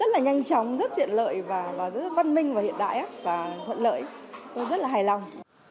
rất là nhanh chóng rất tiện lợi và rất văn minh và hiện đại và thuận lợi tôi rất là hài lòng